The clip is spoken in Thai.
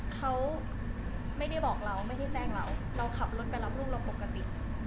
เขาไม่ได้บอกเราไม่ได้แจ้งเราเราขับรถไปรับลูกเราปกติ